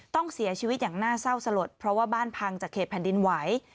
ต้องเสียชีวิตอย่างน่าเศร้าสลดเพราะว่าบ้านพังจากเขตแผ่นดินไหว